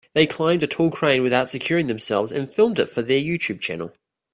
They climbed a tall crane without securing themselves and filmed it for their YouTube channel.